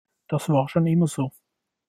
Das war schon immer so.